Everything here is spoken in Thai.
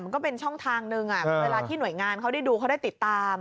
ก็เป็นช่องทางหนึ่งเวลาที่หน่วยงานเขาได้ดูเขาได้ติดตาม